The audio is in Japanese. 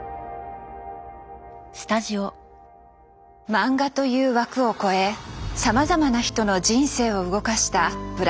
漫画という枠を超えさまざまな人の人生を動かした「ブラック・ジャック」。